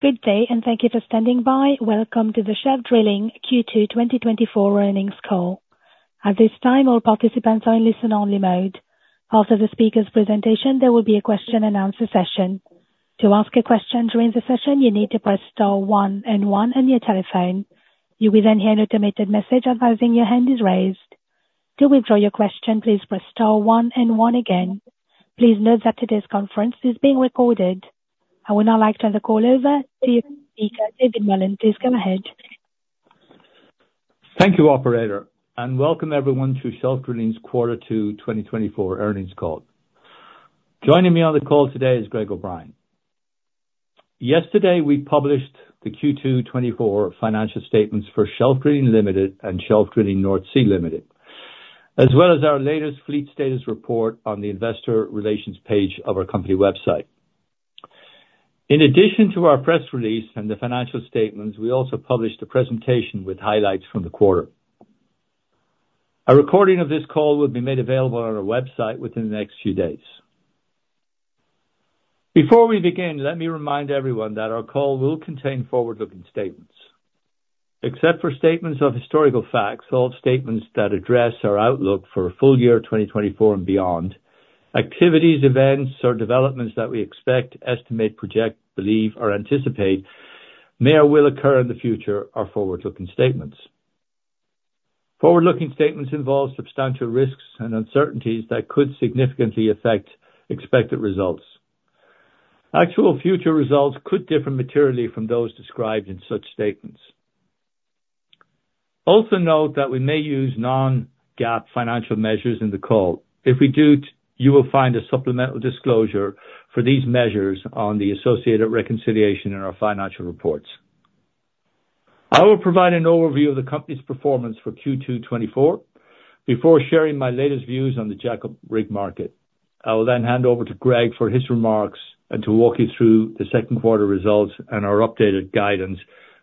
Good day, and thank you for standing by. Welcome to the Shelf Drilling Q2 2024 earnings call. At this time, all participants are in listen-only mode. After the speaker's presentation, there will be a question and answer session. To ask a question during the session, you need to press star one and one on your telephone. You will then hear an automated message advising your hand is raised. To withdraw your question, please press star one and one again. Please note that today's conference is being recorded. I would now like to turn the call over to David Mullen. Please go ahead. Thank you, operator, and welcome everyone to Shelf Drilling's Q2 2024 earnings call. Joining me on the call today is Greg O'Brien. Yesterday, we published the Q2 2024 financial statements for Shelf Drilling Limited and Shelf Drilling North Sea Limited, as well as our latest fleet status report on the investor relations page of our company website. In addition to our press release and the financial statements, we also published a presentation with highlights from the quarter. A recording of this call will be made available on our website within the next few days. Before we begin, let me remind everyone that our call will contain forward-looking statements. Except for statements of historical facts, all statements that address our outlook for full year 2024 and beyond, activities, events, or developments that we expect, estimate, project, believe, or anticipate may or will occur in the future are forward-looking statements. Forward-looking statements involve substantial risks and uncertainties that could significantly affect expected results. Actual future results could differ materially from those described in such statements. Also note that we may use non-GAAP financial measures in the call. If we do, you will find a supplemental disclosure for these measures on the associated reconciliation in our financial reports. I will provide an overview of the company's performance for Q2 2024 before sharing my latest views on the jackup rig market. I will then hand over to Greg for his remarks and to walk you through the second quarter results and our updated guidance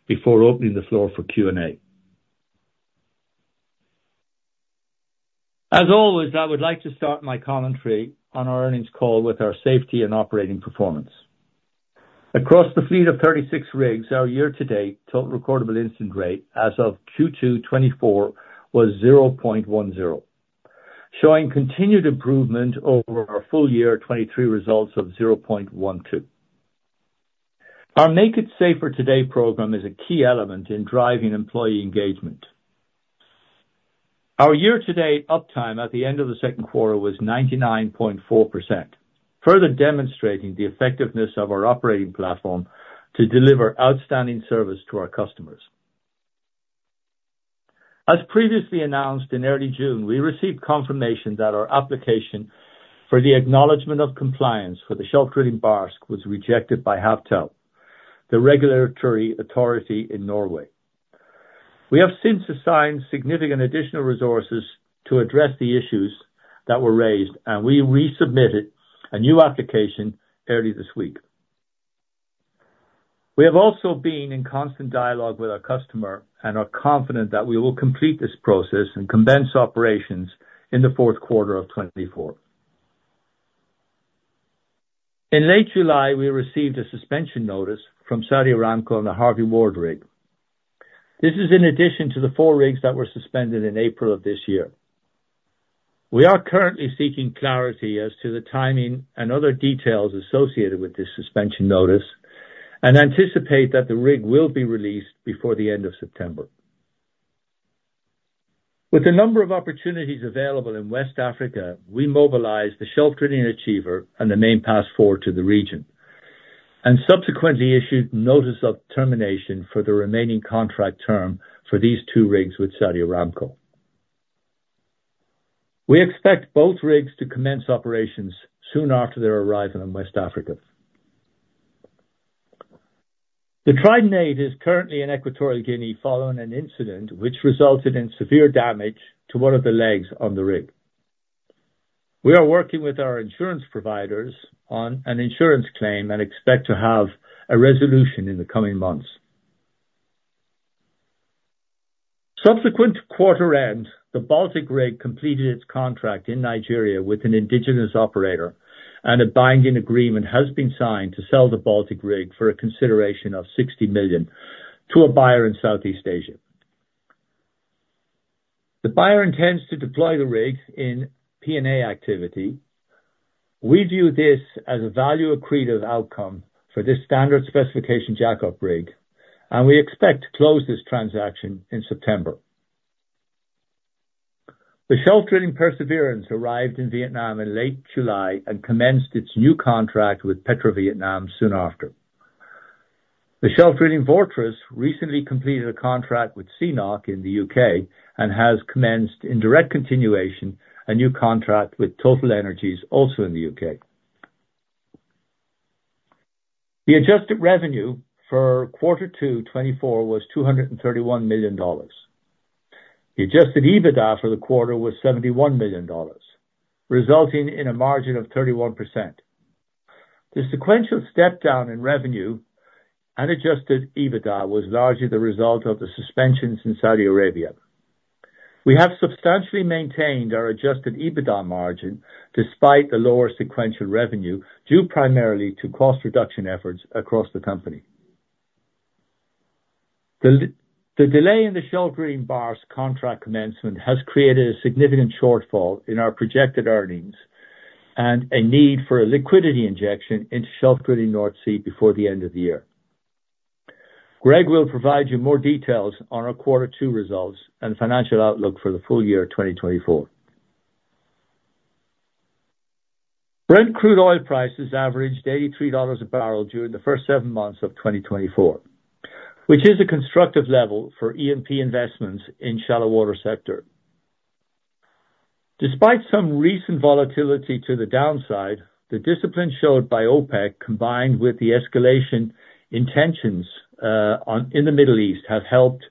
before opening the floor for Q&A. As always, I would like to start my commentary on our earnings call with our safety and operating performance. Across the fleet of 36 rigs, our year-to-date total recordable incident rate as of Q2 2024 was 0.10, showing continued improvement over our full year 2023 results of 0.12. Our Make It Safer Today program is a key element in driving employee engagement. Our year-to-date uptime at the end of the second quarter was 99.4%, further demonstrating the effectiveness of our operating platform to deliver outstanding service to our customers. As previously announced, in early June, we received confirmation that our application for the acknowledgment of compliance for the Shelf Drilling Barsk was rejected by Havtil, the regulatory authority in Norway. We have since assigned significant additional resources to address the issues that were raised, and we resubmitted a new application early this week. We have also been in constant dialogue with our customer and are confident that we will complete this process and commence operations in the fourth quarter of 2024. In late July, we received a suspension notice from Saudi Aramco on the Harvey H. Ward rig. This is in addition to the 4 rigs that were suspended in April of this year. We are currently seeking clarity as to the timing and other details associated with this suspension notice and anticipate that the rig will be released before the end of September. With the number of opportunities available in West Africa, we mobilized the Shelf Drilling Achiever and the Main Pass IV to the region and subsequently issued notice of termination for the remaining contract term for these two rigs with Saudi Aramco. We expect both rigs to commence operations soon after their arrival in West Africa. The Trident VIII is currently in Equatorial Guinea following an incident which resulted in severe damage to one of the legs on the rig. We are working with our insurance providers on an insurance claim and expect to have a resolution in the coming months. Subsequent to quarter end, the Baltic rig completed its contract in Nigeria with an indigenous operator, and a binding agreement has been signed to sell the Baltic rig for a consideration of $60 million to a buyer in Southeast Asia. The buyer intends to deploy the rig in P&A activity. We view this as a value-accretive outcome for this standard specification jack-up rig, and we expect to close this transaction in September. The Shelf Drilling Perseverance arrived in Vietnam in late July and commenced its new contract with PetroVietnam soon after. The Shelf Drilling Fortress recently completed a contract with CNOOC in the U.K. and has commenced, in direct continuation, a new contract with TotalEnergies, also in the U.K. The adjusted revenue for quarter two 2024 was $231 million. The adjusted EBITDA for the quarter was $71 million, resulting in a margin of 31%. The sequential step down in revenue and adjusted EBITDA was largely the result of the suspensions in Saudi Arabia. We have substantially maintained our adjusted EBITDA margin despite the lower sequential revenue, due primarily to cost reduction efforts across the company. The delay in the Shelf Drilling Barsk contract commencement has created a significant shortfall in our projected earnings and a need for a liquidity injection into Shelf Drilling North Sea before the end of the year. Greg will provide you more details on our quarter two results and financial outlook for the full year 2024. Brent crude oil prices averaged $83 a barrel during the first seven months of 2024, which is a constructive level for E&P investments in shallow water sector. Despite some recent volatility to the downside, the discipline showed by OPEC, combined with the escalation in tensions in the Middle East, has helped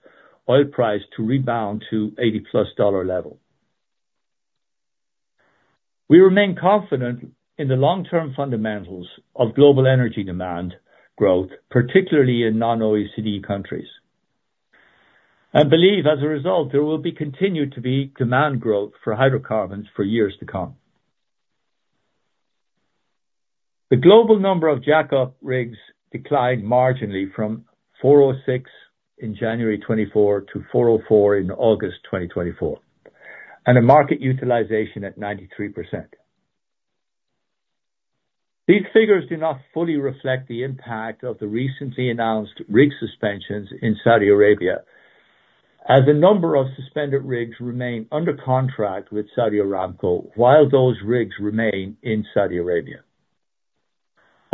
oil price to rebound to $80+ dollar level. We remain confident in the long-term fundamentals of global energy demand growth, particularly in non-OECD countries. I believe as a result, there will be continued to be demand growth for hydrocarbons for years to come. The global number of jack-up rigs declined marginally from 406 in January 2024 to 404 in August 2024, and a market utilization at 93%. These figures do not fully reflect the impact of the recently announced rig suspensions in Saudi Arabia, as a number of suspended rigs remain under contract with Saudi Aramco while those rigs remain in Saudi Arabia.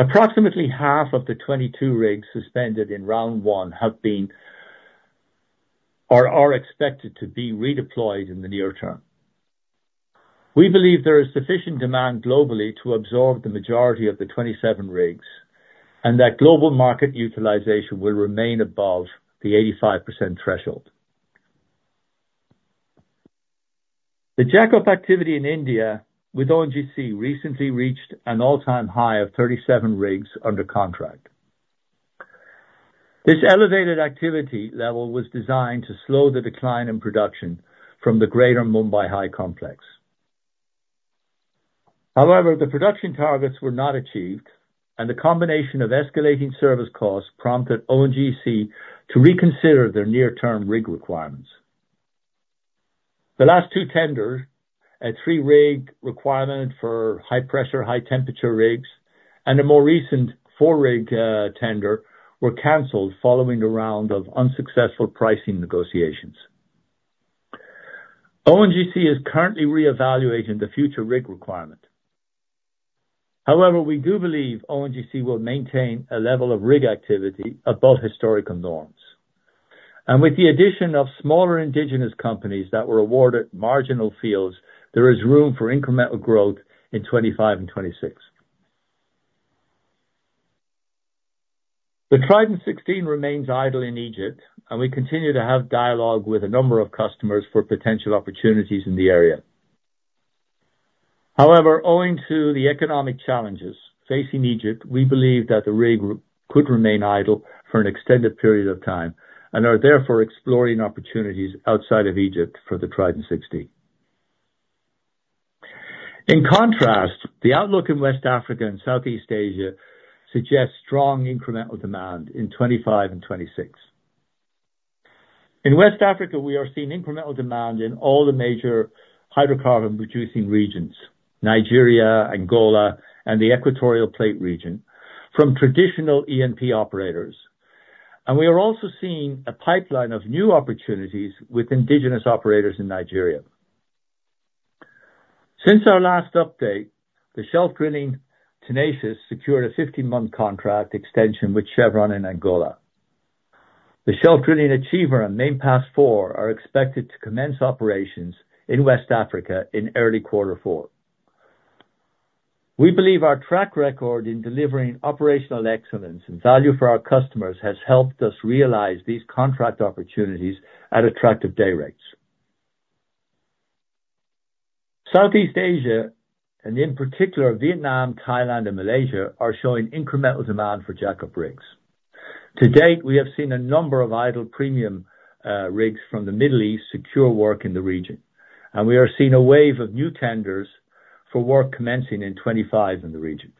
Approximately half of the 22 rigs suspended in round one have been, or are expected to be redeployed in the near term. We believe there is sufficient demand globally to absorb the majority of the 27 rigs, and that global market utilization will remain above the 85% threshold. The jackup activity in India with ONGC recently reached an all-time high of 37 rigs under contract. This elevated activity level was designed to slow the decline in production from the greater Mumbai High complex. However, the production targets were not achieved, and the combination of escalating service costs prompted ONGC to reconsider their near-term rig requirements. The last two tenders, a 3-rig requirement for high pressure, high temperature rigs, and a more recent 4-rig tender, were canceled following a round of unsuccessful pricing negotiations. ONGC is currently reevaluating the future rig requirement. However, we do believe ONGC will maintain a level of rig activity above historical norms. And with the addition of smaller indigenous companies that were awarded marginal fields, there is room for incremental growth in 2025 and 2026. The Trident 16 remains idle in Egypt, and we continue to have dialogue with a number of customers for potential opportunities in the area. However, owing to the economic challenges facing Egypt, we believe that the rig could remain idle for an extended period of time and are therefore exploring opportunities outside of Egypt for the Trident 16. In contrast, the outlook in West Africa and Southeast Asia suggests strong incremental demand in 2025 and 2026. In West Africa, we are seeing incremental demand in all the major hydrocarbon-producing regions, Nigeria, Angola, and the Equatorial Guinea region, from traditional E&P operators. We are also seeing a pipeline of new opportunities with indigenous operators in Nigeria. Since our last update, the Shelf Drilling Tenacious secured a 50-month contract extension with Chevron in Angola. The Shelf Drilling Achiever and Main Pass IV are expected to commence operations in West Africa in early quarter four. We believe our track record in delivering operational excellence and value for our customers has helped us realize these contract opportunities at attractive day rates. Southeast Asia, and in particular, Vietnam, Thailand, and Malaysia, are showing incremental demand for jackup rigs. To date, we have seen a number of idle premium rigs from the Middle East secure work in the region, and we are seeing a wave of new tenders for work commencing in 2025 in the region.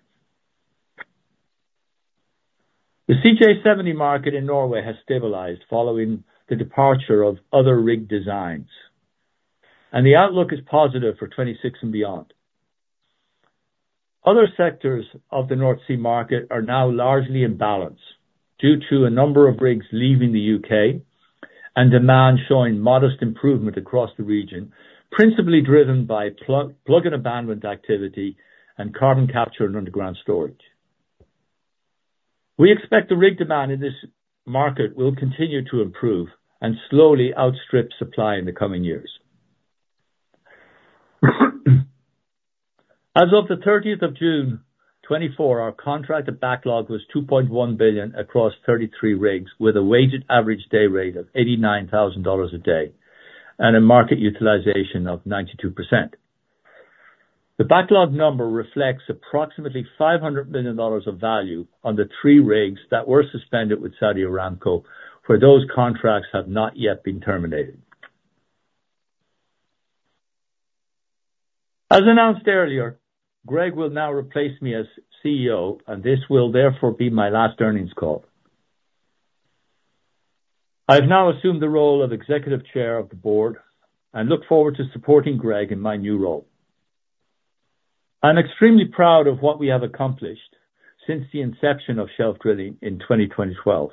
The CJ70 market in Norway has stabilized following the departure of other rig designs, and the outlook is positive for 2026 and beyond. Other sectors of the North Sea market are now largely in balance due to a number of rigs leaving the U.K. and demand showing modest improvement across the region, principally driven by plug and abandonment activity and carbon capture and underground storage. We expect the rig demand in this market will continue to improve and slowly outstrip supply in the coming years. As of the thirtieth of June 2024, our contracted backlog was $2.1 billion across 33 rigs, with a weighted average day rate of $89,000 a day and a market utilization of 92%—the backlog number reflects approximately $500 million of value on the three rigs that were suspended with Saudi Aramco, where those contracts have not yet been terminated. As announced earlier, Greg will now replace me as CEO, and this will therefore be my last earnings call. I've now assumed the role of executive chair of the board and look forward to supporting Greg in my new role. I'm extremely proud of what we have accomplished since the inception of Shelf Drilling in 2012.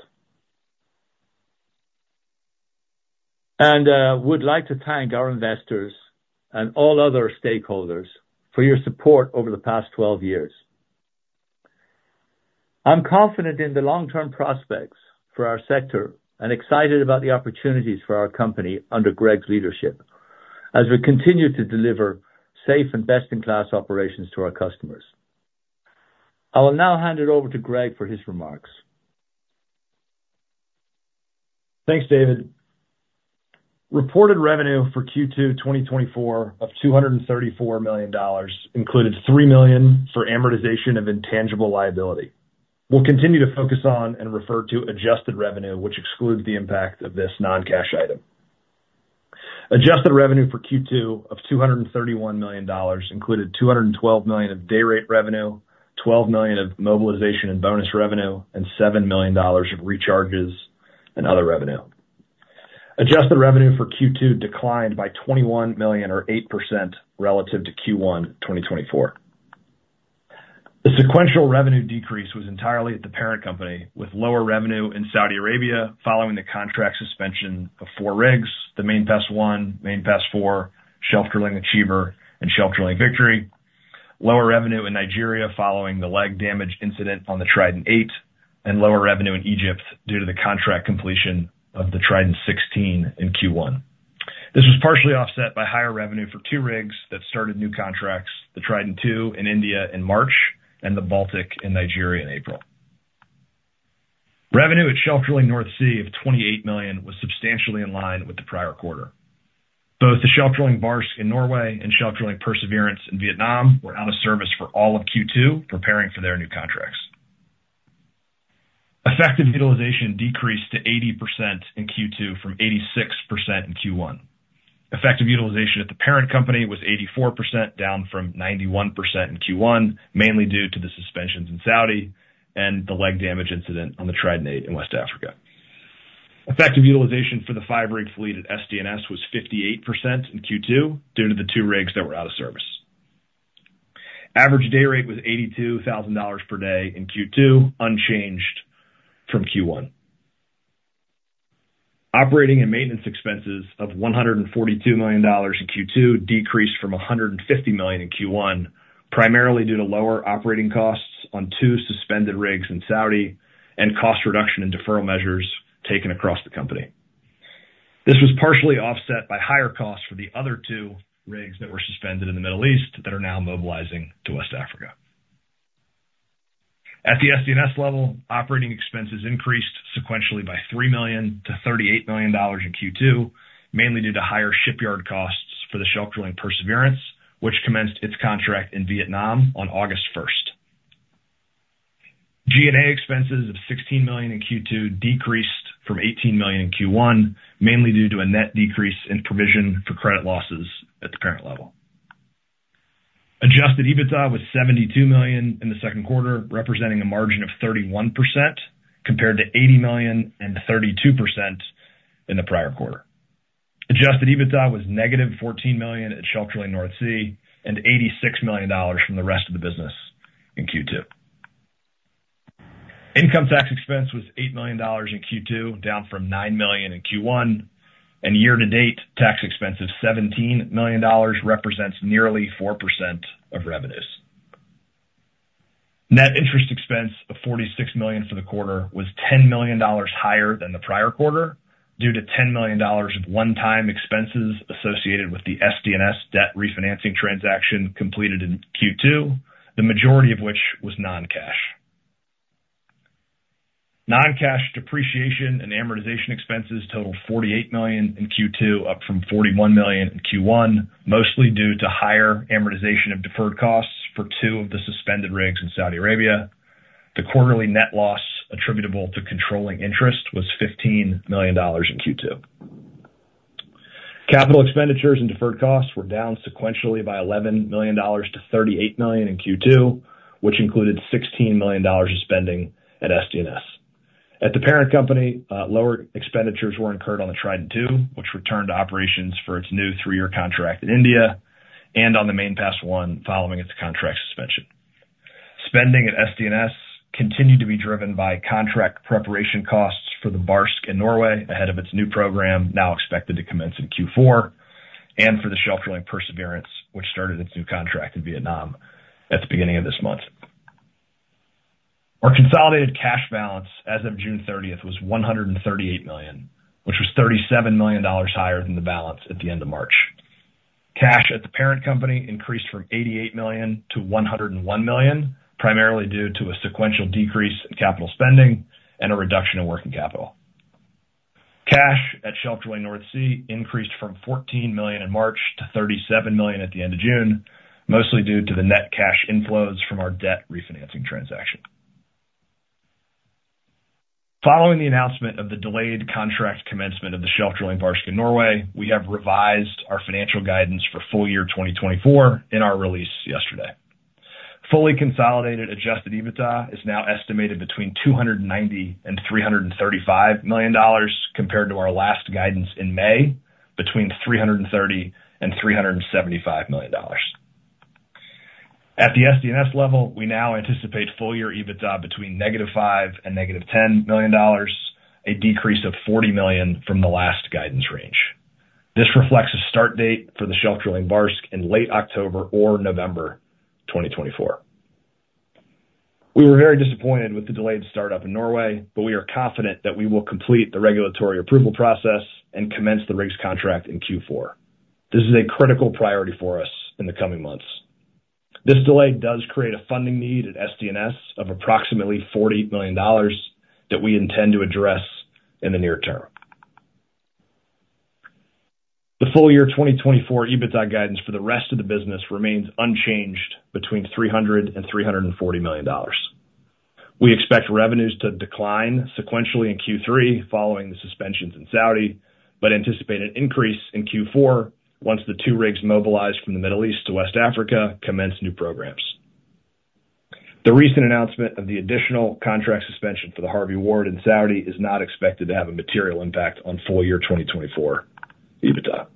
Would like to thank our investors and all other stakeholders for your support over the past 12 years. I'm confident in the long-term prospects for our sector and excited about the opportunities for our company under Greg's leadership as we continue to deliver safe and best-in-class operations to our customers. I will now hand it over to Greg for his remarks. Thanks, David. Reported revenue for Q2 2024 of $234 million included $3 million for amortization of intangible liability. We'll continue to focus on and refer to adjusted revenue, which excludes the impact of this non-cash item. Adjusted revenue for Q2 of $231 million included $212 million of day rate revenue, $12 million of mobilization and bonus revenue, and $7 million of recharges and other revenue. Adjusted revenue for Q2 declined by $21 million or 8% relative to Q1 2024. The sequential revenue decrease was entirely at the parent company, with lower revenue in Saudi Arabia following the contract suspension of four rigs, the Main Pass I, Main Pass IV, Shelf Drilling Achiever, and Shelf Drilling Victory. Lower revenue in Nigeria following the leg damage incident on the Trident VIII, and lower revenue in Egypt due to the contract completion of the Trident 16 in Q1. This was partially offset by higher revenue for two rigs that started new contracts, the Trident II in India in March and the Baltic in Nigeria in April. Revenue at Shelf Drilling North Sea of $28 million was substantially in line with the prior quarter. Both the Shelf Drilling Barsk in Norway and Shelf Drilling Perseverance in Vietnam were out of service for all of Q2, preparing for their new contracts. Effective utilization decreased to 80% in Q2 from 86% in Q1. Effective utilization at the parent company was 84%, down from 91% in Q1, mainly due to the suspensions in Saudi and the leg damage incident on the Trident VIII in West Africa. Effective utilization for the five-rig fleet at SDNS was 58% in Q2, due to the two rigs that were out of service. Average day rate was $82,000 per day in Q2, unchanged from Q1. Operating and maintenance expenses of $142 million in Q2 decreased from $150 million in Q1, primarily due to lower operating costs on two suspended rigs in Saudi and cost reduction and deferral measures taken across the company. This was partially offset by higher costs for the other two rigs that were suspended in the Middle East that are now mobilizing to West Africa. At the SDNS level, operating expenses increased sequentially by $3 million to $38 million in Q2, mainly due to higher shipyard costs for the Shelf Drilling Perseverance, which commenced its contract in Vietnam on August 1. G&A expenses of $16 million in Q2 decreased from $18 million in Q1, mainly due to a net decrease in provision for credit losses at the parent level. Adjusted EBITDA was $72 million in the second quarter, representing a margin of 31%, compared to $80 million and 32% in the prior quarter. Adjusted EBITDA was negative $14 million at Shelf Drilling North Sea and $86 million from the rest of the business in Q2. Income tax expense was $8 million in Q2, down from $9 million in Q1, and year-to-date, tax expense of $17 million represents nearly 4% of revenues. Net interest expense of $46 million for the quarter was $10 million higher than the prior quarter, due to $10 million of one-time expenses associated with the SDNS debt refinancing transaction completed in Q2, the majority of which was non-cash. Non-cash depreciation and amortization expenses totaled $48 million in Q2, up from $41 million in Q1, mostly due to higher amortization of deferred costs for two of the suspended rigs in Saudi Arabia. The quarterly net loss attributable to controlling interest was $15 million in Q2. Capital expenditures and deferred costs were down sequentially by $11 million to $38 million in Q2, which included $16 million of spending at SDNS. At the parent company, lower expenditures were incurred on the Trident II, which returned to operations for its new three-year contract in India, and on the Main Pass I, following its contract suspension. Spending at SDNS continued to be driven by contract preparation costs for the Barsk in Norway, ahead of its new program, now expected to commence in Q4, and for the Shelf Drilling Perseverance, which started its new contract in Vietnam at the beginning of this month. Our consolidated cash balance as of June 30 was $138 million, which was $37 million higher than the balance at the end of March. Cash at the parent company increased from $88 million to $101 million, primarily due to a sequential decrease in capital spending and a reduction in working capital. Cash at Shelf Drilling North Sea increased from $14 million in March to $37 million at the end of June, mostly due to the net cash inflows from our debt refinancing transaction. Following the announcement of the delayed contract commencement of the Shelf Drilling Barsk in Norway, we have revised our financial guidance for full year 2024 in our release yesterday. Fully consolidated adjusted EBITDA is now estimated between $290 million and $335 million, compared to our last guidance in May, between $330 million and $375 million. At the SDNS level, we now anticipate full-year EBITDA between -$5 million and -$10 million, a decrease of $40 million from the last guidance range. This reflects a start date for the Shelf Drilling Barsk in late October or November 2024. We were very disappointed with the delayed startup in Norway, but we are confident that we will complete the regulatory approval process and commence the rigs contract in Q4. This is a critical priority for us in the coming months. This delay does create a funding need at SDNS of approximately $40 million that we intend to address in the near term. The full-year 2024 EBITDA guidance for the rest of the business remains unchanged between $300 million and $340 million. We expect revenues to decline sequentially in Q3 following the suspensions in Saudi, but anticipate an increase in Q4 once the 2 rigs mobilized from the Middle East to West Africa commence new programs. The recent announcement of the additional contract suspension for the Harvey H. Ward in Saudi is not expected to have a material impact on full-year 2024 EBITDA.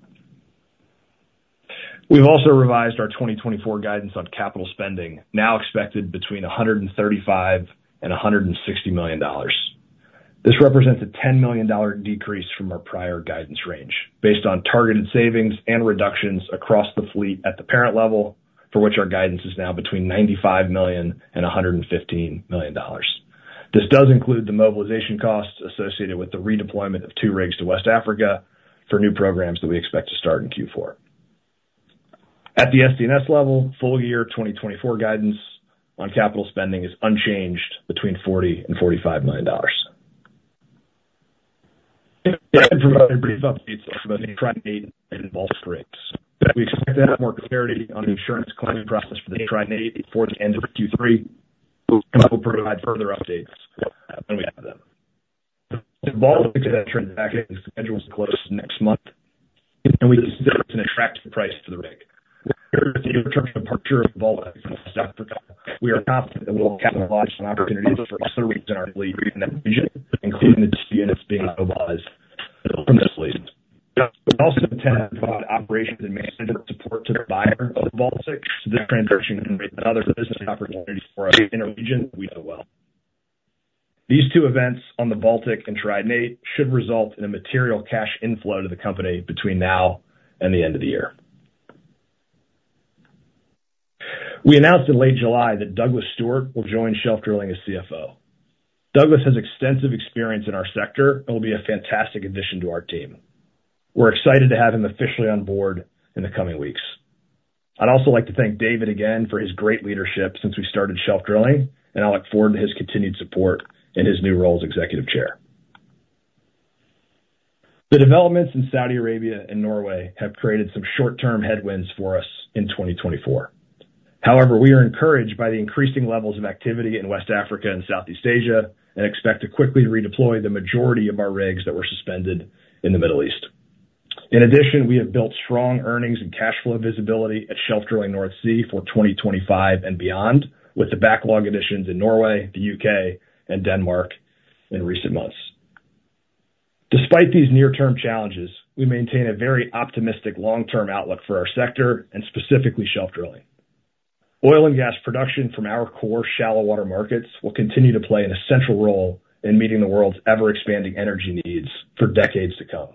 We've also revised our 2024 guidance on capital spending, now expected between $135 million and $160 million. This represents a $10 million decrease from our prior guidance range, based on targeted savings and reductions across the fleet at the parent level, for which our guidance is now between $95 million and $115 million. This does include the mobilization costs associated with the redeployment of two rigs to West Africa for new programs that we expect to start in Q4. At the SDNS level, full-year 2024 guidance on capital spending is unchanged between $40 million and $45 million. Brief updates on the Tri-8 and Baltic rigs. We expect to have more clarity on the insurance claim process for the Tri-8 before the end of Q3. We'll provide further updates when we have them. The Baltic transaction is scheduled to close next month, and we expect an attractive price for the rig. The near-term departure of Baltic, we are confident that we'll capitalize on opportunities for other rigs in our fleet in that region, including the units being mobilized from this fleet. We also intend to provide operations and management support to the buyer of the Baltic, so this transition can create other business opportunities for us in a region we know well. These two events on the Baltic and Trident VIII should result in a material cash inflow to the company between now and the end of the year. We announced in late July that Douglas Stewart will join Shelf Drilling as CFO. Douglas has extensive experience in our sector and will be a fantastic addition to our team. We're excited to have him officially on board in the coming weeks. I'd also like to thank David again for his great leadership since we started Shelf Drilling, and I look forward to his continued support in his new role as Executive Chair. The developments in Saudi Arabia and Norway have created some short-term headwinds for us in 2024. However, we are encouraged by the increasing levels of activity in West Africa and Southeast Asia, and expect to quickly redeploy the majority of our rigs that were suspended in the Middle East. In addition, we have built strong earnings and cash flow visibility at Shelf Drilling North Sea for 2025 and beyond, with the backlog additions in Norway, the U.K., and Denmark in recent months. Despite these near-term challenges, we maintain a very optimistic long-term outlook for our sector and specifically Shelf Drilling. Oil and gas production from our core shallow water markets will continue to play an essential role in meeting the world's ever-expanding energy needs for decades to come,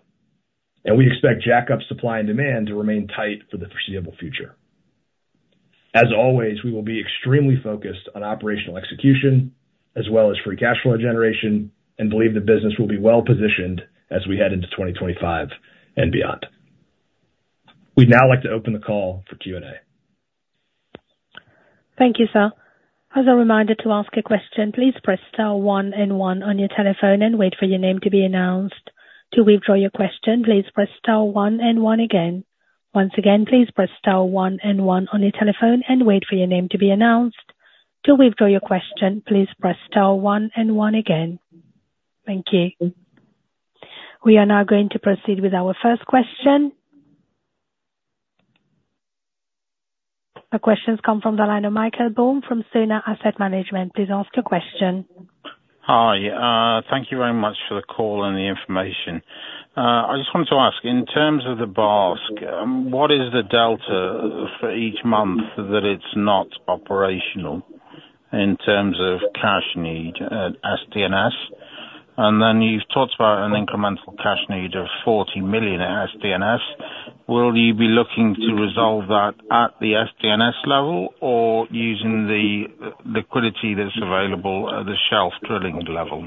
and we expect jack-up supply and demand to remain tight for the foreseeable future. As always, we will be extremely focused on operational execution as well as free cash flow generation and believe the business will be well-positioned as we head into 2025 and beyond. We'd now like to open the call for Q&A. Thank you, sir. As a reminder to ask a question, please press star one and one on your telephone and wait for your name to be announced. To withdraw your question, please press star one and one again. Once again, please press star one and one on your telephone and wait for your name to be announced. To withdraw your question, please press star one and one again. Thank you. We are now going to proceed with our first question. The question comes from the line of Michael Boam from Sona Asset Management. Please ask your question. Hi, thank you very much for the call and the information. I just wanted to ask, in terms of the Barsk, what is the delta for each month that it's not operational in terms of cash need at SDNS? And then you've talked about an incremental cash need of $40 million at SDNS. Will you be looking to resolve that at the SDNS level or using the liquidity that's available at the Shelf Drilling level?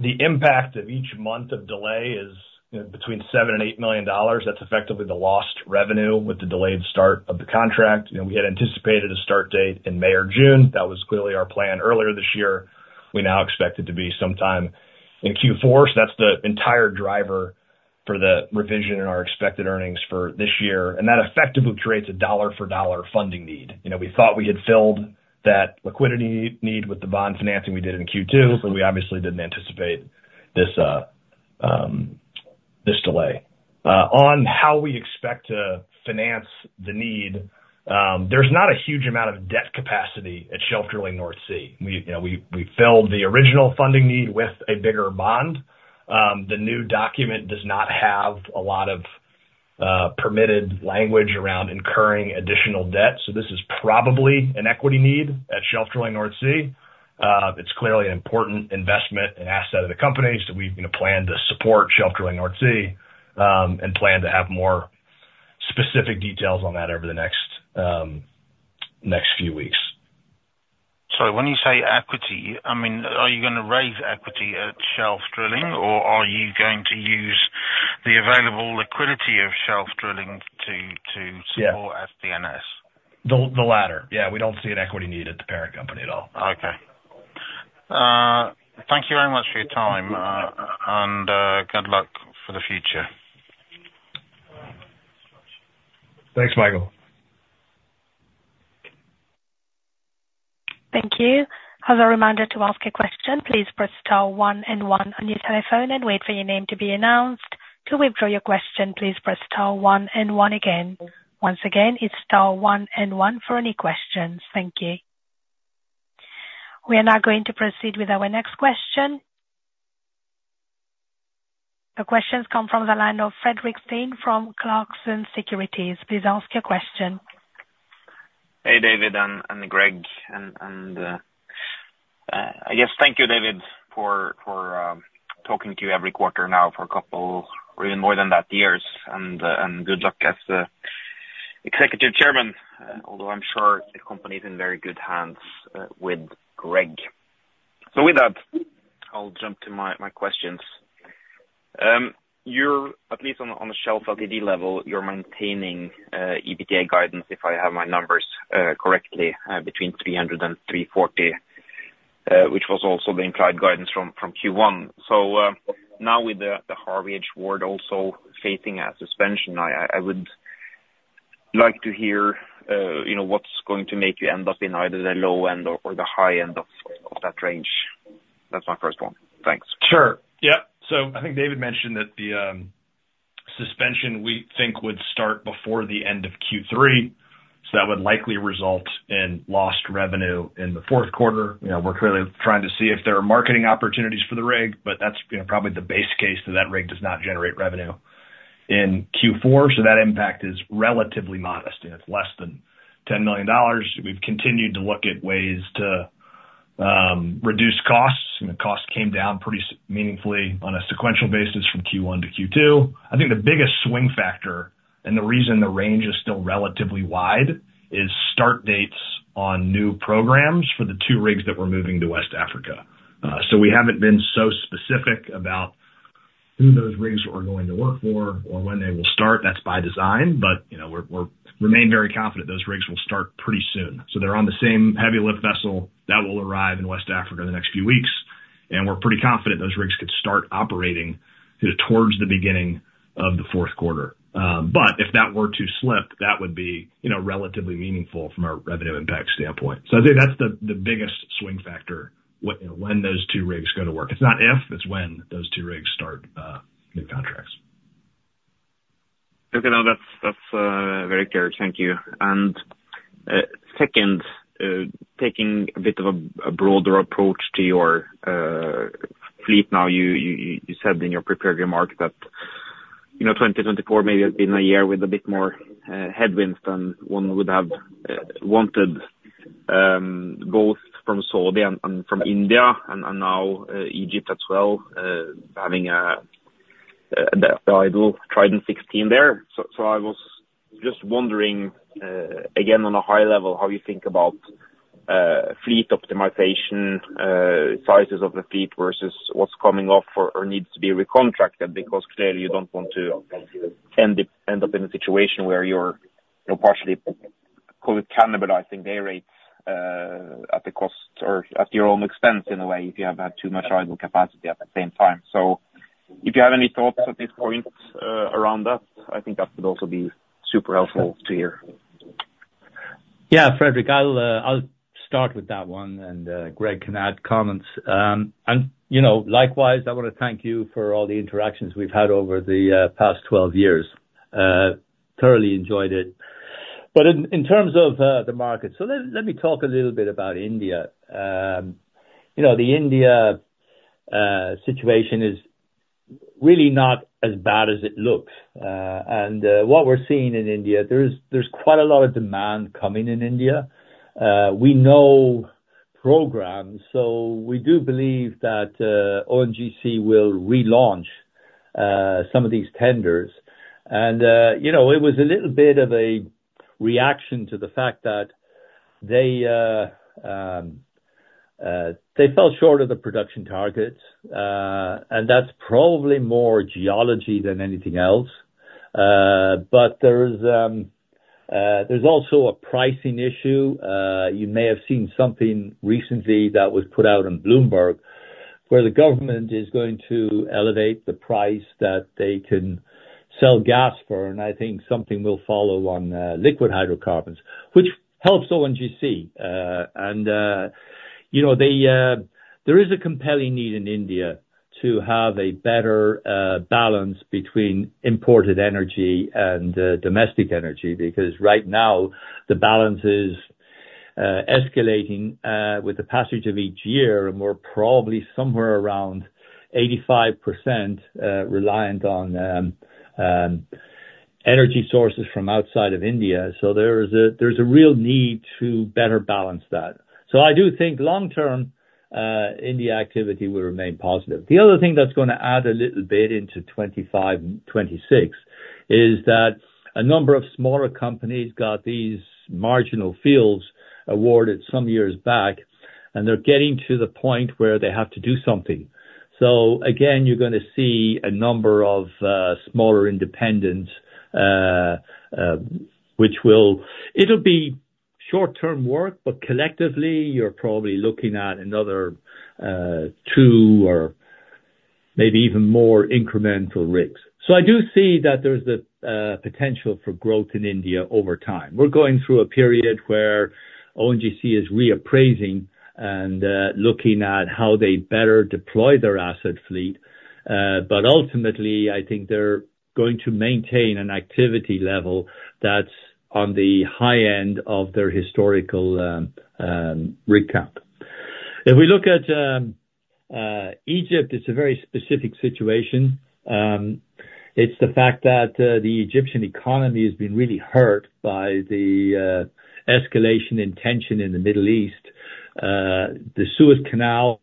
The impact of each month of delay is, you know, between $7 million and $8 million. That's effectively the lost revenue with the delayed start of the contract. You know, we had anticipated a start date in May or June. That was clearly our plan earlier this year. We now expect it to be sometime in Q4. So that's the entire driver for the revision in our expected earnings for this year, and that effectively creates a dollar-for-dollar funding need. You know, we thought we had filled that liquidity need with the bond financing we did in Q2, but we obviously didn't anticipate this, this delay. On how we expect to finance the need, there's not a huge amount of debt capacity at Shelf Drilling North Sea. We, you know, we, we filled the original funding need with a bigger bond. The new document does not have a lot of permitted language around incurring additional debt, so this is probably an equity need at Shelf Drilling North Sea. It's clearly an important investment and asset of the company, so we're gonna plan to support Shelf Drilling North Sea, and plan to have more specific details on that over the next few weeks. So when you say equity, I mean, are you gonna raise equity at Shelf Drilling, or are you going to use the available liquidity of Shelf Drilling to support SDNS? The latter. Yeah, we don't see an equity need at the parent company at all. Okay. Thank you very much for your time, and good luck for the future. Thanks, Michael. Thank you. As a reminder to ask a question, please press star one and one on your telephone and wait for your name to be announced. To withdraw your question, please press star one and one again. Once again, it's star one and one for any questions. Thank you. We are now going to proceed with our next question. The question comes from the line of Fredrik Stene from Clarksons Securities. Please ask your question. Hey, David and Greg, I guess thank you, David, for talking to you every quarter now for a couple, or even more than that, years. Good luck as Executive Chairman, although I'm sure the company is in very good hands with Greg. So with that, I'll jump to my questions. You're at least on the Shelf Ltd level maintaining EBITDA guidance, if I have my numbers correctly, between $300 million-$340 million, which was also the implied guidance from Q1. So now with the Harvey H. Ward also facing a suspension, I would like to hear, you know, what's going to make you end up in either the low end or the high end of that range? That's my first one. Thanks. Sure. Yep. So I think David mentioned that the suspension, we think, would start before the end of Q3. So that would likely result in lost revenue in the fourth quarter. You know, we're clearly trying to see if there are marketing opportunities for the rig, but that's, you know, probably the base case that that rig does not generate revenue in Q4. So that impact is relatively modest, and it's less than $10 million. We've continued to look at ways to reduce costs, and the costs came down pretty meaningfully on a sequential basis from Q1 to Q2. I think the biggest swing factor, and the reason the range is still relatively wide, is start dates on new programs for the two rigs that we're moving to West Africa. So we haven't been so specific about who those rigs are going to work for or when they will start. That's by design, but, you know, we remain very confident those rigs will start pretty soon. So they're on the same heavy lift vessel that will arrive in West Africa in the next few weeks, and we're pretty confident those rigs could start operating towards the beginning of the fourth quarter. But if that were to slip, that would be, you know, relatively meaningful from a revenue impact standpoint. So I think that's the biggest swing factor, when those two rigs go to work. It's not if, it's when those two rigs start new contracts. Okay, now that's very clear. Thank you. And second, taking a bit of a broader approach to your fleet now, you said in your prepared remarks that, you know, 2024 may have been a year with a bit more headwinds than one would have wanted, both from Saudi and from India and now Egypt as well, having the idle Trident 16 there. So I was just wondering, again, on a high level, how you think about fleet optimization, sizes of the fleet versus what's coming off or needs to be recontracted, because clearly you don't want to end up in a situation where you're, you know, partially cannibalizing dayrates at the cost or at your own expense in a way, if you have too much idle capacity at the same time. So if you have any thoughts at this point around that, I think that would also be super helpful to hear. Yeah, Fredrik, I'll start with that one, and Greg can add comments. And you know, likewise, I want to thank you for all the interactions we've had over the past 12 years. Thoroughly enjoyed it. But in terms of the market, so let me talk a little bit about India. You know, the India situation is really not as bad as it looks. And what we're seeing in India, there is quite a lot of demand coming in India. We know programs, so we do believe that ONGC will relaunch some of these tenders. And you know, it was a little bit of a reaction to the fact that. They fell short of the production targets, and that's probably more geology than anything else. But there is, there's also a pricing issue. You may have seen something recently that was put out on Bloomberg, where the government is going to elevate the price that they can sell gas for, and I think something will follow on, liquid hydrocarbons, which helps ONGC. And, you know, they, there is a compelling need in India to have a better, balance between imported energy and, domestic energy, because right now, the balance is, escalating, with the passage of each year, and we're probably somewhere around 85%, reliant on, energy sources from outside of India. So there is a, there's a real need to better balance that. So I do think long term, India activity will remain positive. The other thing that's gonna add a little bit into 2025 and 2026 is that a number of smaller companies got these marginal fields awarded some years back, and they're getting to the point where they have to do something. So again, you're gonna see a number of smaller independents, which will, it'll be short-term work, but collectively, you're probably looking at another two or maybe even more incremental rigs. So I do see that there's a potential for growth in India over time. We're going through a period where ONGC is reappraising and looking at how they better deploy their asset fleet. But ultimately, I think they're going to maintain an activity level that's on the high end of their historical recap. If we look at Egypt, it's a very specific situation. It's the fact that the Egyptian economy has been really hurt by the escalation in tension in the Middle East. The Suez Canal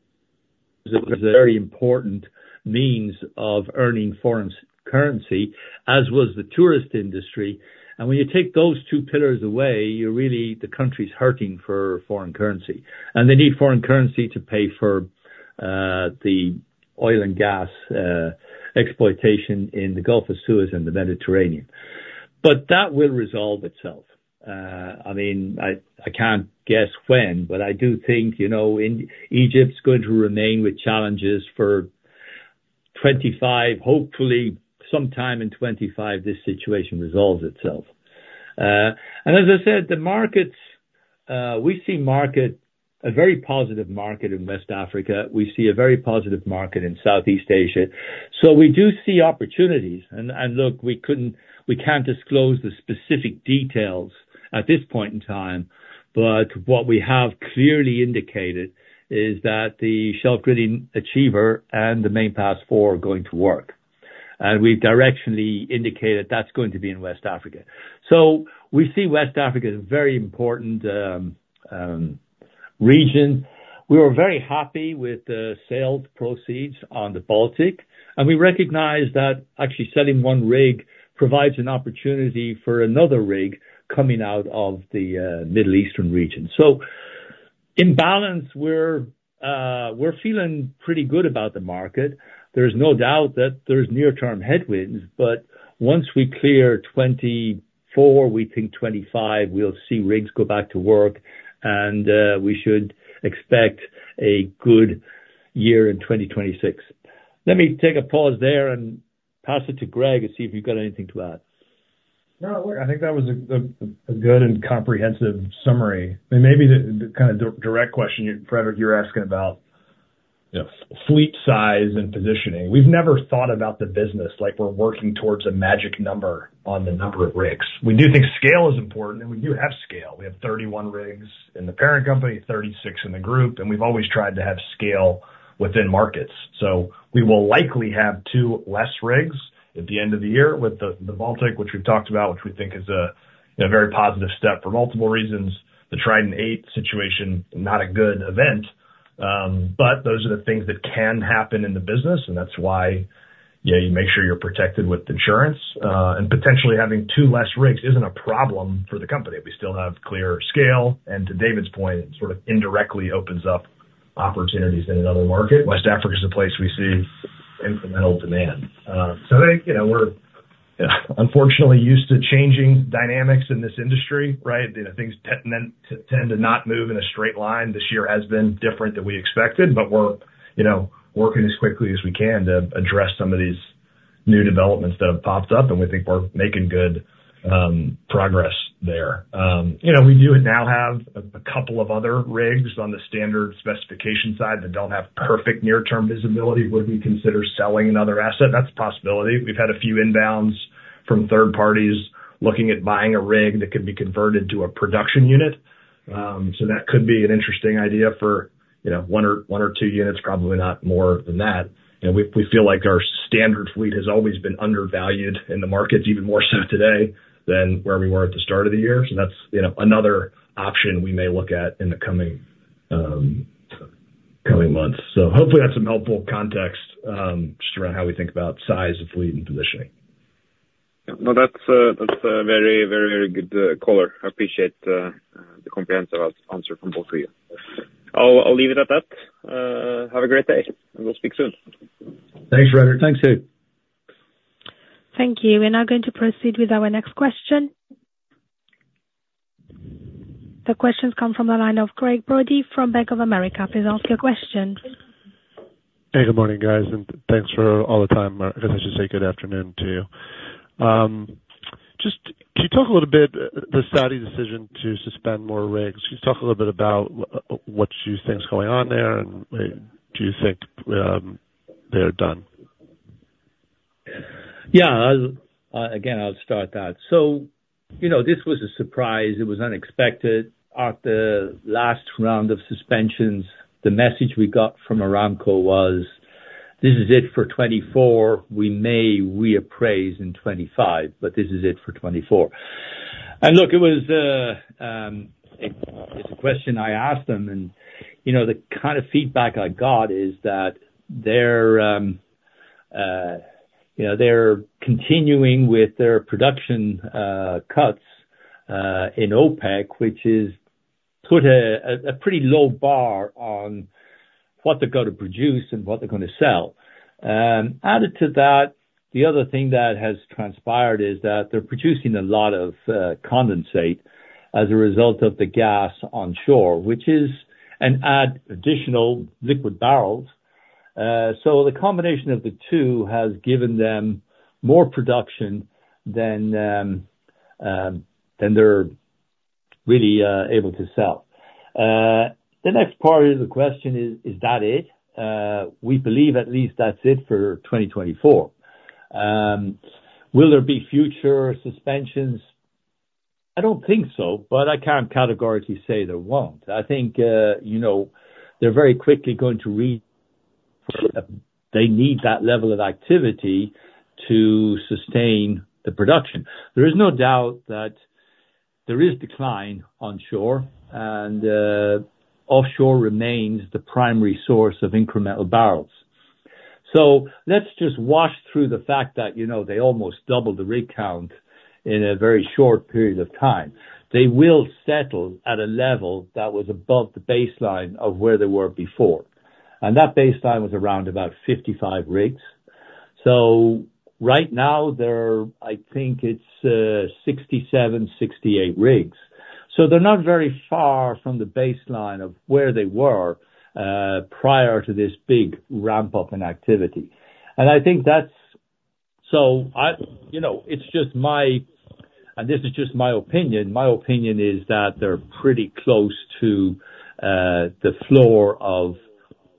is a very important means of earning foreign currency, as was the tourist industry. And when you take those two pillars away, you're really the country's hurting for foreign currency. And they need foreign currency to pay for the oil and gas exploitation in the Gulf of Suez and the Mediterranean. But that will resolve itself. I mean, I can't guess when, but I do think, you know, Egypt's going to remain with challenges for 2025. Hopefully, sometime in 2025, this situation resolves itself. And as I said, the markets, we see a very positive market in West Africa. We see a very positive market in Southeast Asia, so we do see opportunities. Look, we couldn't, we can't disclose the specific details at this point in time, but what we have clearly indicated is that the Shelf Drilling Achiever and the Main Pass IV are going to work, and we've directionally indicated that's going to be in West Africa. So we see West Africa as a very important region. We were very happy with the sales proceeds on the Baltic, and we recognize that actually selling one rig provides an opportunity for another rig coming out of the Middle East region. So in balance, we're feeling pretty good about the market. There's no doubt that there's near-term headwinds, but once we clear 2024, we think 2025, we'll see rigs go back to work and we should expect a good year in 2026. Let me take a pause there and pass it to Greg and see if you've got anything to add. No, I think that was a good and comprehensive summary. And maybe the kind of direct question, Fredrik, you're asking about, you know, fleet size and positioning. We've never thought about the business like we're working towards a magic number on the number of rigs. We do think scale is important, and we do have scale. We have 31 rigs in the parent company, 36 in the group, and we've always tried to have scale within markets. So we will likely have two less rigs at the end of the year with the Baltic, which we've talked about, which we think is a very positive step for multiple reasons. The Trident VIII situation, not a good event, but those are the things that can happen in the business, and that's why, yeah, you make sure you're protected with insurance. And potentially having two less rigs isn't a problem for the company. We still have clear scale, and to David's point, sort of indirectly opens up opportunities in another market. West Africa is a place we see incremental demand. So I think, you know, we're unfortunately used to changing dynamics in this industry, right? You know, things tend to not move in a straight line. This year has been different than we expected, but we're, you know, working as quickly as we can to address some of these new developments that have popped up, and we think we're making good progress there. You know, we do now have a couple of other rigs on the standard specification side that don't have perfect near-term visibility. Would we consider selling another asset? That's a possibility. We've had a few inbounds from third parties looking at buying a rig that could be converted to a production unit. So that could be an interesting idea for, you know, one or two units, probably not more than that. And we feel like our standard fleet has always been undervalued in the markets, even more so today than where we were at the start of the year. So that's, you know, another option we may look at in the coming months. So hopefully that's some helpful context, just around how we think about size of fleet and positioning. Yeah, no, that's a, that's a very, very good color. I appreciate the comprehensive answer from both of you. I'll leave it at that. Have a great day, and we'll speak soon. Thanks, Fredrik. Thanks, too. Thank you. We're now going to proceed with our next question. The question's come from the line of Gregg Brody from Bank of America. Please ask your question. Hey, good morning, guys, and thanks for all the time. I guess I should say good afternoon to you. Just, can you talk a little bit, the Saudi decision to suspend more rigs? Can you talk a little bit about what you think is going on there, and do you think they're done? Yeah, again, I'll start that. So, you know, this was a surprise. It was unexpected. At the last round of suspensions, the message we got from Aramco was, "This is it for 2024. We may reappraise in 2025, but this is it for 2024." And look, it was, it's a question I asked them, and, you know, the kind of feedback I got is that they're, you know, they're continuing with their production, cuts, in OPEC, which is put a pretty low bar on what they're gonna produce and what they're gonna sell. Added to that, the other thing that has transpired is that they're producing a lot of condensate as a result of the gas onshore, which is, and add additional liquid barrels. So the combination of the two has given them more production than they're really able to sell. The next part of the question is: Is that it? We believe at least that's it for 2024. Will there be future suspensions? I don't think so, but I can't categorically say there won't. I think, you know, they're very quickly going to they need that level of activity to sustain the production. There is no doubt that there is decline onshore, and offshore remains the primary source of incremental barrels. So let's just wash through the fact that, you know, they almost doubled the rig count in a very short period of time. They will settle at a level that was above the baseline of where they were before, and that baseline was around about 55 rigs. So right now there are, I think it's, 67, 68 rigs. So they're not very far from the baseline of where they were prior to this big ramp-up in activity. And I think that's—so I, you know, it's just my, and this is just my opinion, my opinion is that they're pretty close to the floor of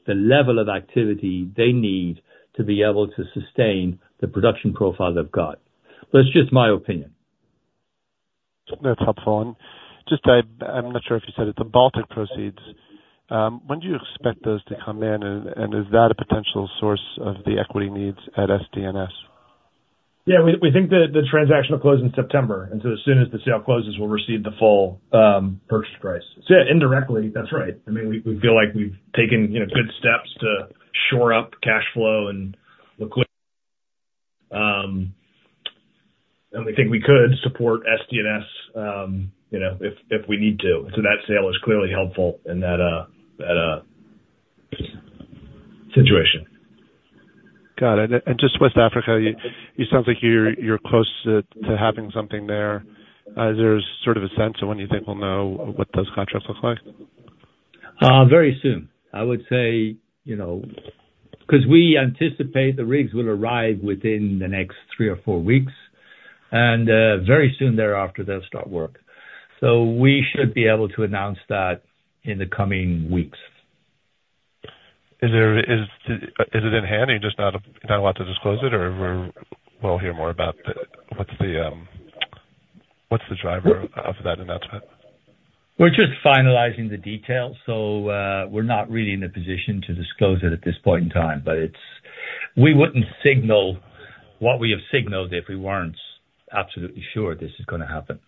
the level of activity they need to be able to sustain the production profile they've got. But it's just my opinion. That's helpful. And just, I'm not sure if you said it, the Baltic proceeds, when do you expect those to come in, and is that a potential source of the equity needs at SDNS? Yeah, we think that the transaction will close in September, and so as soon as the sale closes, we'll receive the full purchase price. So yeah, indirectly, that's right. I mean, we feel like we've taken, you know, good steps to shore up cash flow and liquidity, and we think we could support SDNS, you know, if we need to. So that sale is clearly helpful in that situation. Got it. And just West Africa, it sounds like you're close to having something there. Is there sort of a sense of when you think we'll know what those contracts look like? Very soon. I would say, you know, 'cause we anticipate the rigs will arrive within the next 3 or 4 weeks, and very soon thereafter, they'll start work. So we should be able to announce that in the coming weeks. Is it in hand and you're just not allowed to disclose it, or we'll hear more about the, what's the driver of that announcement? We're just finalizing the details, so, we're not really in a position to disclose it at this point in time. But it's, we wouldn't signal what we have signaled if we weren't absolutely sure this is gonna happen.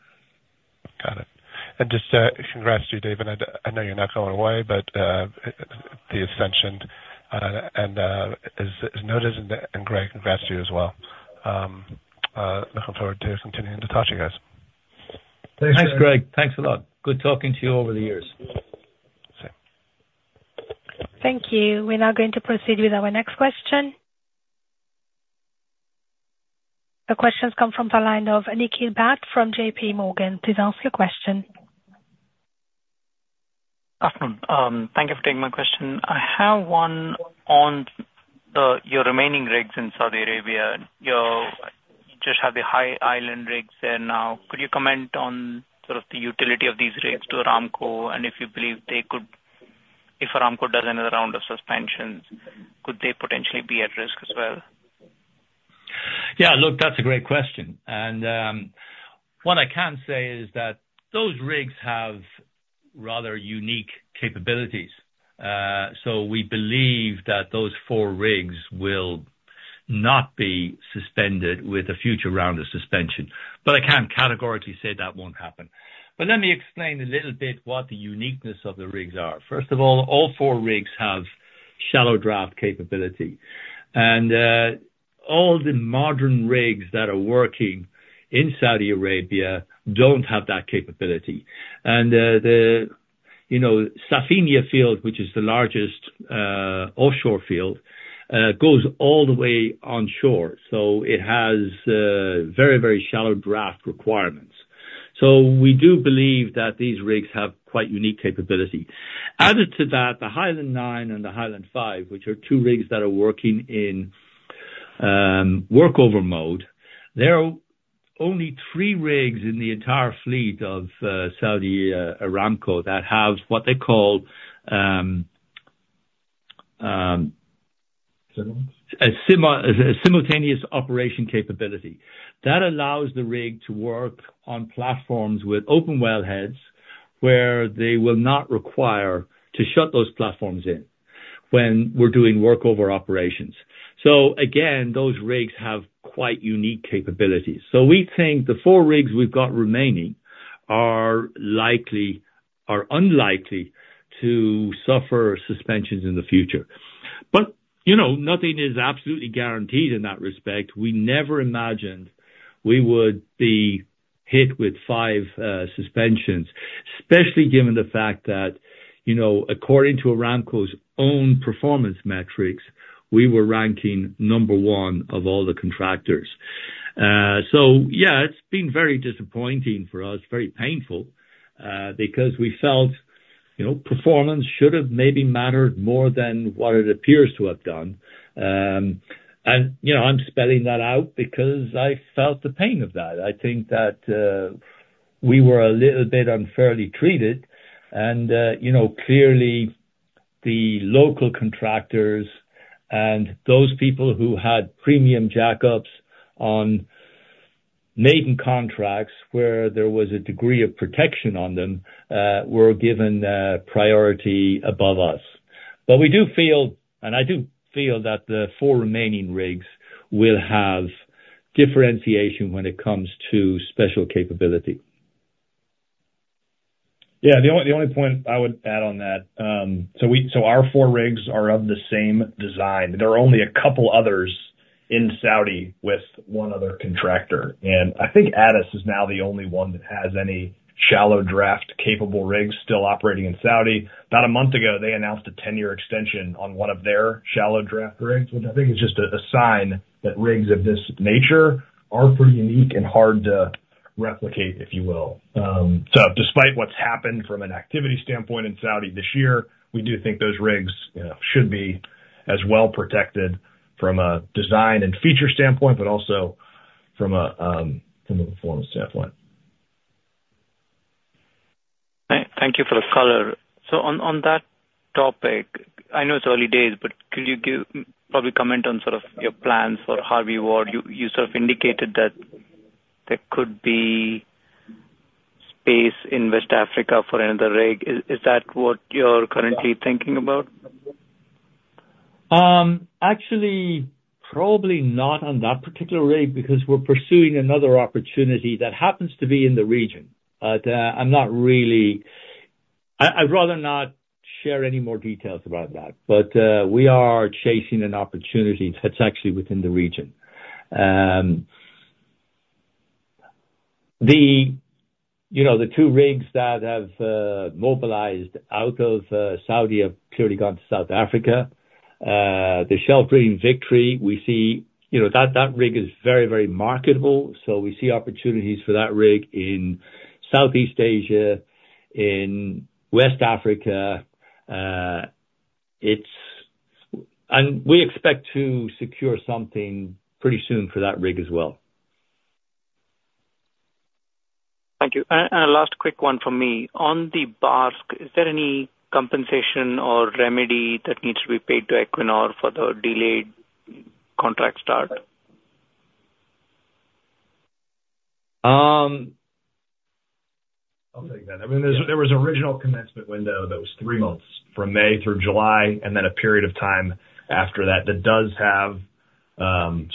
Got it. And just congrats to you, David. I know you're not going away, but the ascension and is noticed, and Greg, congrats to you as well. Look forward to continuing to talk to you guys. Thanks, Greg. Thanks a lot. Good talking to you over the years. Same. Thank you. We're now going to proceed with our next question. The question's come from the line of Nikhil Bhat from JPMorgan. Please ask your question. Afternoon. Thank you for taking my question. I have one on, your remaining rigs in Saudi Arabia. You just have the High Island rigs there now. Could you comment on sort of the utility of these rigs to Aramco, and if you believe they could, if Aramco does another round of suspensions, could they potentially be at risk as well? Yeah, look, that's a great question, and what I can say is that those rigs have rather unique capabilities. So we believe that those four rigs will not be suspended with a future round of suspension, but I can't categorically say that won't happen. But let me explain a little bit what the uniqueness of the rigs are. First of all, all four rigs have shallow draft capability. And all the modern rigs that are working in Saudi Arabia don't have that capability. And the, you know, Safaniya field, which is the largest offshore field, goes all the way onshore, so it has very, very shallow draft requirements. So we do believe that these rigs have quite unique capability. Added to that, the High Island IX and the High Island V, which are two rigs that are working in workover mode, there are only three rigs in the entire fleet of Saudi Aramco that have what they call a simultaneous operation capability. That allows the rig to work on platforms with open wellheads, where they will not require to shut those platforms in when we're doing workover operations. So again, those rigs have quite unique capabilities. So we think the four rigs we've got remaining are unlikely to suffer suspensions in the future. But, you know, nothing is absolutely guaranteed in that respect. We never imagined we would be hit with five suspensions, especially given the fact that, you know, according to Aramco's own performance metrics, we were ranking number one of all the contractors. So yeah, it's been very disappointing for us, very painful, because we felt, you know, performance should have maybe mattered more than what it appears to have done. And, you know, I'm spelling that out because I felt the pain of that. I think that we were a little bit unfairly treated, and, you know, clearly, the local contractors and those people who had premium jackups on maiden contracts, where there was a degree of protection on them, were given priority above us. But we do feel, and I do feel, that the four remaining rigs will have differentiation when it comes to special capability. Yeah, the only, the only point I would add on that, so we-- so our four rigs are of the same design. There are only a couple others in Saudi with one other contractor, and I think ADES is now the only one that has any shallow draft-capable rigs still operating in Saudi. About a month ago, they announced a ten-year extension on one of their shallow draft rigs, which I think is just a, a sign that rigs of this nature are pretty unique and hard to replicate, if you will. So despite what's happened from an activity standpoint in Saudi this year, we do think those rigs, you know, should be as well protected from a design and feature standpoint, but also from a performance standpoint. Thank you for the color. So on that topic, I know it's early days, but could you probably comment on sort of your plans for Harvey Ward? You sort of indicated that there could be space in West Africa for another rig. Is that what you're currently thinking about? Actually, probably not on that particular rig, because we're pursuing another opportunity that happens to be in the region. But, I'm not really—I, I'd rather not share any more details about that, but, we are chasing an opportunity that's actually within the region. You know, the two rigs that have mobilized out of Saudi have clearly gone to West Africa. The Shelf Drilling Victory, we see, you know, that, that rig is very, very marketable, so we see opportunities for that rig in Southeast Asia, in West Africa. And we expect to secure something pretty soon for that rig as well. Thank you. And a last quick one from me. On the Barsk, is there any compensation or remedy that needs to be paid to Equinor for the delayed contract start? I'll take that. I mean, there was original commencement window that was three months, from May through July, and then a period of time after that, that does have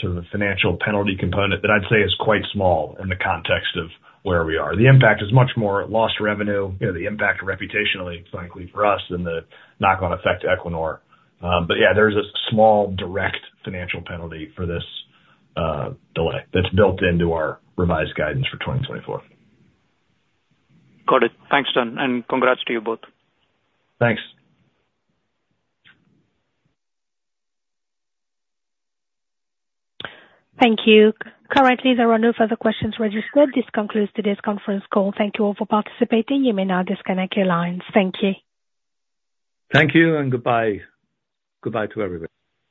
sort of a financial penalty component that I'd say is quite small in the context of where we are. The impact is much more lost revenue, you know, the impact reputationally, frankly, for us than the knock-on effect to Equinor. But yeah, there's a small, direct financial penalty for this delay that's built into our revised guidance for 2024. Got it. Thanks a ton, and congrats to you both. Thanks. Thank you. Currently, there are no further questions registered. This concludes today's conference call. Thank you all for participating. You may now disconnect your lines. Thank you. Thank you, and goodbye. Goodbye to everybody.